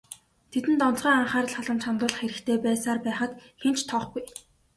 Тэдэнд онцгой анхаарал халамж хандуулах хэрэгтэй байсаар байхад хэн ч тоохгүй.